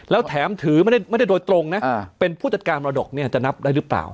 แล้วแถมถือไม่ได้โดยตรงนะเป็นผู้จัดการมรดกเนี่ยจะนับได้หรือเปล่า